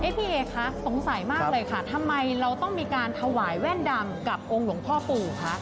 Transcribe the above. พี่เอ๋คะสงสัยมากเลยค่ะทำไมเราต้องมีการถวายแว่นดำกับองค์หลวงพ่อปู่คะ